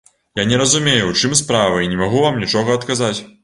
Я не разумею, у чым справа, і не магу вам нічога адказаць.